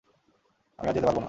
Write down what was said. আমি আর যেতে পারব না।